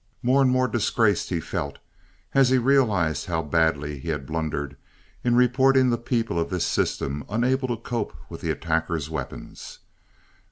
More and more disgraced he felt as he realized how badly he had blundered in reporting the people of this system unable to cope with the attackers' weapons.